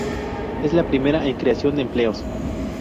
Es la primera en creación de empleos.